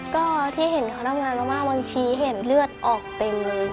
ก็ที่เห็นเขาทำงานมากบางทีเห็นเลือดออกเต็มเลย